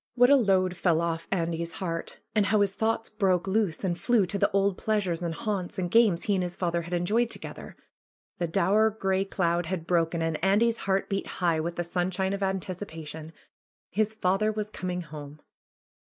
What a load fell off Andy's heart! And how his thoughts broke loose and flew to the old pleasures, and haunts, and games he and his father had enjoyed to gether ! The dour, gray cloud had broken, and Andy's heart beat high with the sunshine of anticipation. His father was coming home.